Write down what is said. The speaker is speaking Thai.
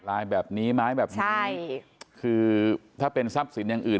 ลายแบบนี้ไหมแบบนี้ใช่คือถ้าเป็นทรัพย์สินอย่างอื่น